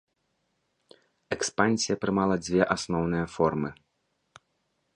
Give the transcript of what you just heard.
Экспансія прымала дзве асноўныя формы.